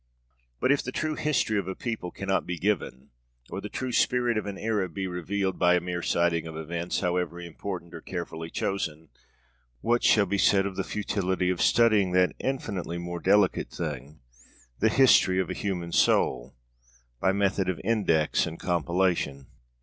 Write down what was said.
But if the true history of a people cannot be given, or the true spirit of an era be revealed by a mere citing of events, however important or carefully chosen, what shall be said of the futility of studying that infinitely more delicate thing, the history of a human soul, by method of index and compilation?